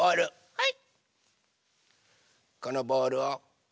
はい。